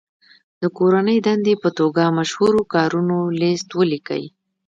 د کورنۍ دندې په توګه مشهورو کارونو لست ولیکئ.